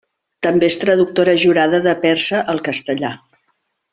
També és traductora jurada de persa al castellà.